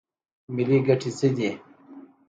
ملي ګټې څه دي؟